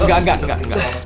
enggak enggak enggak